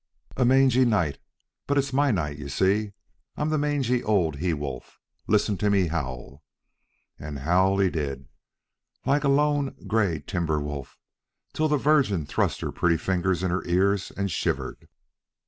"A mangy night, but it's MY night, you see. I'm the mangy old he wolf. Listen to me howl." And howl he did, like a lone gray timber wolf, till the Virgin thrust her pretty fingers in her ears and shivered.